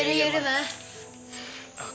ken jauh jauhan si alva udah pulang lagi